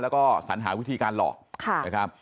แล้วก็สัญหาวิธีการหลอก